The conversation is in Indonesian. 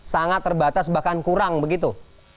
sangat terbatas bahkan kurang begitu